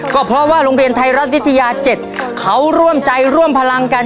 ก็เพราะว่าโรงเรียนไทยรัฐวิทยา๗เขาร่วมใจร่วมพลังกัน